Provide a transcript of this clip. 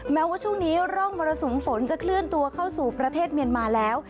แม้ว่าช่วงนี้ร่องมรสุมฝนจะเคลื่อนตัวเข้าสู่ประเทศเมียนมาแล้ว